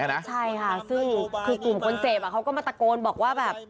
ใช่ค่ะซึ่งคือกลุ่มคนเจ็บเขาก็มาตะโกนบอกว่าแบบ